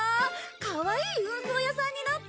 かわいい運送屋さんになった！